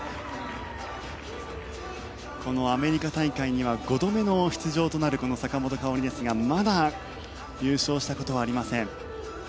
このアメリカ大会には５度目の出場となる坂本花織ですがまだ優勝したことはありません。